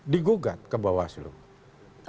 digugat ke bawah seluruh